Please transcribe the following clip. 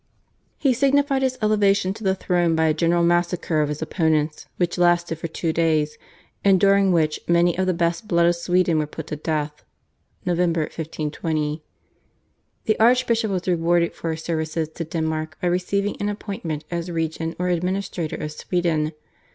He signified his elevation to the throne by a general massacre of his opponents which lasted for two days, and during which many of the best blood of Sweden were put to death (Nov. 1520). The archbishop was rewarded for his services to Denmark by receiving an appointment as region or administrator of Sweden.